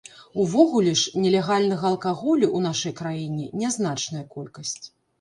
Увогуле ж, нелегальнага алкаголю ў нашай краіне нязначная колькасць.